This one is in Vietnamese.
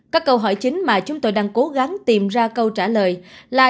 các câu hỏi chính mà chúng tôi đang cố gắng tìm ra câu trả lời là